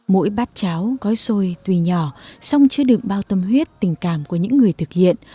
mỗi bát cháo gói xôi tùy nhỏ song chứa được bao tâm huyết tình cảm của những người thực hiện